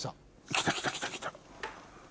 来た来た来た来た。